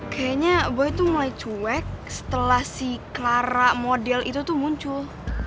kayaknya gue tuh mulai cuek setelah si clara model itu tuh muncul